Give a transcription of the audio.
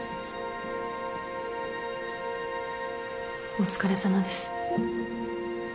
お疲れさまです。